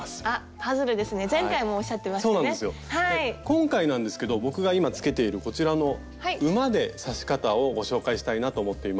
今回なんですけど僕が今つけているこちらの馬で刺し方をご紹介したいなと思っています。